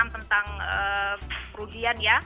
tentang kerugian ya